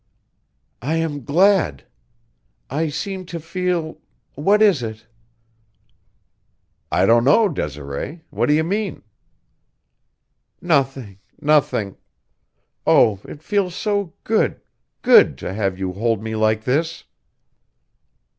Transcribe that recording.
"I am glad. I seem to feel what is it?" "I don't know, Desiree. What do you mean?" "Nothing nothing. Oh. it feels so good good to have you hold me like this."